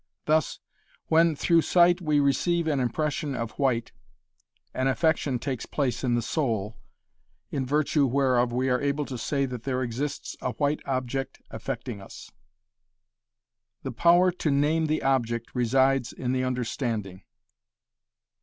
Thus, when through sight we receive an impression of white, an affection takes place in the soul, in virtue whereof we are able to say that there exists a white object affecting us. The power to name the object resides in the understanding.